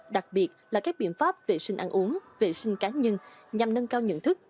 đặc biệt là các biện pháp vệ sinh ăn uống vệ sinh cá nhân nhằm nâng cao nhận thức